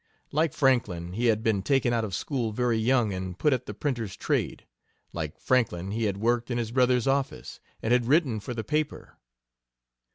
Like Franklin, he had been taken out of school very young and put at the printer's trade; like Franklin, he had worked in his brother's office, and had written for the paper.